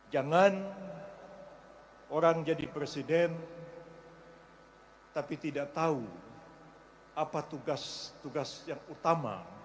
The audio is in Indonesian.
jangan orang jadi presiden tapi tidak tahu apa tugas tugas yang utama